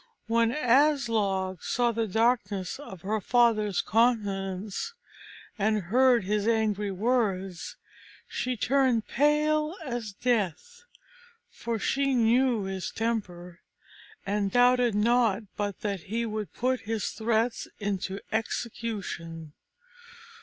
When Aslog saw the darkness of her father's countenance, and heard his angry words, she turned pale as death, for she knew his temper, and doubted not but that he would put his threats into execution.